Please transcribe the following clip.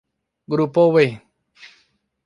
Grupo B